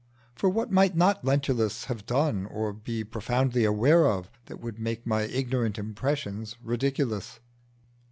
For what might not Lentulus have done, or be profoundly aware of, that would make my ignorant impressions ridiculous?